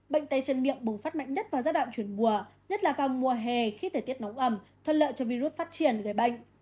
bệnh tay chân miệng bùng phát mạnh nhất vào giai đoạn chuyển mùa nhất là vào mùa hè khi thời tiết nóng ẩm thuận lợi cho virus phát triển gây bệnh